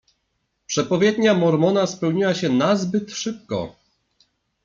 "Przepowiednia Mormona spełniła się nazbyt szybko."